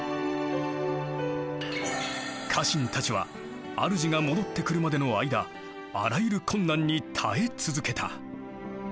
家臣たちは主が戻ってくるまでの間あらゆる困難に耐え続けた。